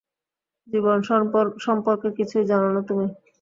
জীবন সম্পর্কে কিছুই জানো না তুমি।